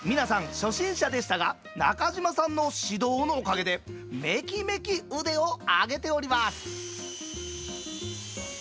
初心者でしたが中島さんの指導のおかげでめきめき腕を上げております。